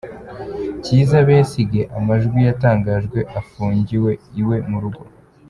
Kizza Besigye amajwi yatangajwe afungiwe iwe murugo.